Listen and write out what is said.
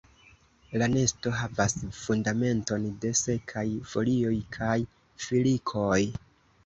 La nesto havas fundamenton de sekaj folioj kaj filikoj.